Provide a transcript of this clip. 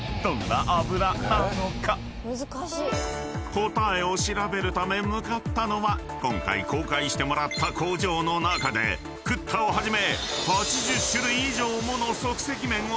［答えを調べるため向かったのは今回公開してもらった工場の中でＱＴＴＡをはじめ］